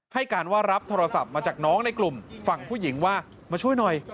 ให้การว่ารับโทรศัพท์มาจากน้องในกลุ่มฝั่งผู้หญิงว่ามาช่วยหน่อย